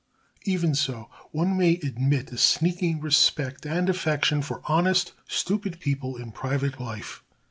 Even so, one may admit a sneaking respect and affection for honest stupid people in private life.